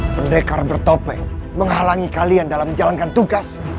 pendekar bertopeng menghalangi kalian dalam menjalankan tugas